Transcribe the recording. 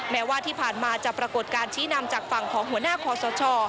แม้ว่าที่ผ่านมาจะปรากฏการณ์ชี้นำจากฝั่งของหัวหน้าคอสช